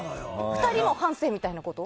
２人の半生みたいなこと？